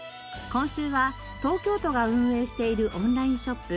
今週は東京都が運営しているオンラインショップ